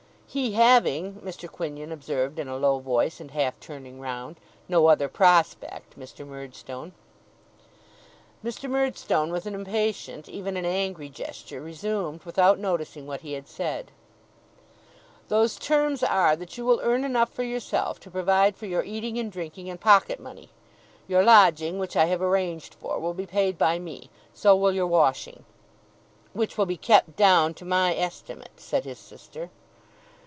'He having,' Mr. Quinion observed in a low voice, and half turning round, 'no other prospect, Murdstone.' Mr. Murdstone, with an impatient, even an angry gesture, resumed, without noticing what he had said: 'Those terms are, that you will earn enough for yourself to provide for your eating and drinking, and pocket money. Your lodging (which I have arranged for) will be paid by me. So will your washing '' Which will be kept down to my estimate,' said his sister.